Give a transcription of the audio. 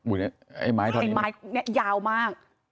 อุ๊ยไอ้ไม้ทะนี้ไอ้ไม้นี้ยาวมาก